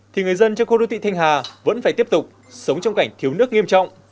thì người dân trong khu đô thị thanh hà vẫn phải tiếp tục sống trong cảnh thiếu nước nghiêm trọng